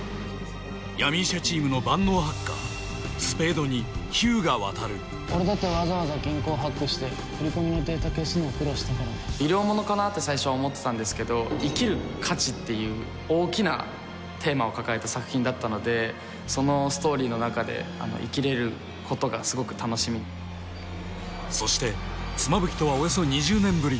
闇医者チームの万能ハッカースペードに日向亘俺だってわざわざ銀行をハックして踏み込みのデータ消すのは苦労したから医療ものかなって最初は思ってたんですけど生きる価値っていう大きなテーマを抱えた作品だったのでそのストーリーの中で生きれることがすごく楽しみそして妻夫木とはおよそ２０年ぶり